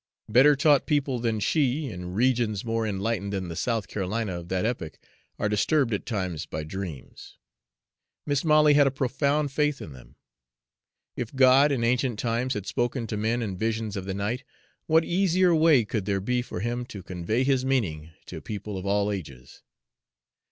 Better taught people than she, in regions more enlightened than the South Carolina of that epoch, are disturbed at times by dreams. Mis' Molly had a profound faith in them. If God, in ancient times, had spoken to men in visions of the night, what easier way could there be for Him to convey his meaning to people of all ages?